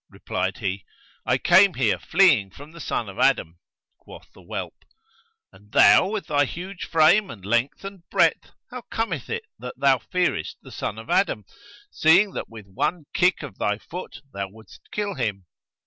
Replied he, 'I came here fleeing from the son of Adam.' Quoth the whelp, 'And thou, with thy huge frame and length and breadth, how cometh it that thou fearest the son of Adam, seeing that with one kick of thy foot thou wouldst kill him?'